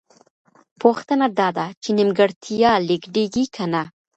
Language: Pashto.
پوښتنه دا ده چې نیمګړتیا لېږدېږي که نه؟